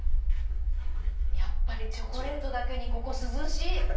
やっぱりチョコレートだけにここ涼しい！